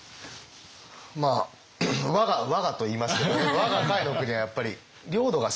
まあ我が「我が」と言いますけど我が甲斐国はやっぱり領土が狭い。